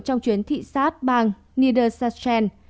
trong chuyến thị xát bang niedersachsen